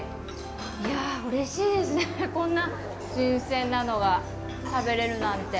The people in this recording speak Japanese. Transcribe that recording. いやぁ、うれしいですね、こんな新鮮なのが食べられるなんて。